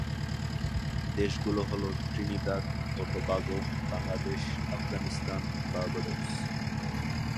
দেশগুলো হল ত্রিনিদাদ ও টোবাগো, বাংলাদেশ, আফগানিস্তান, বার্বাডোস।